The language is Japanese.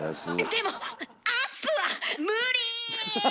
でもアップはむり！